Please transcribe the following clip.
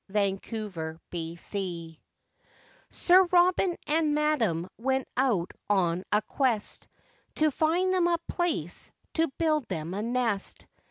MADAM REDBREAST Sir Robin and madam went out on a quest, To find them a place to build them a nest.